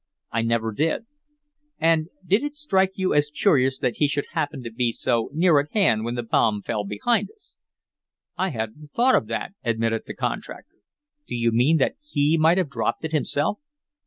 "I never did." "And did it strike you as curious that he should happen to be so near at hand when the bomb fell behind us?" "I hadn't thought of that," admitted the contractor. "Do you mean that he might have dropped it himself?"